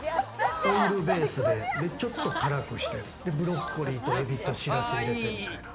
オイルベースでちょっと辛くして、ブロッコリーとエビとシラスでみたいな。